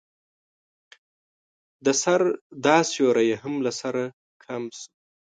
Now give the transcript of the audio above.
د سر دا سيوری يې هم له سره کم شو.